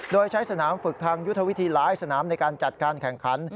โดยใช้สนามฝึกทางยุทธวิธีหลายสนามในการจัดการแข่งขัน